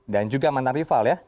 dan juga mantan rival ya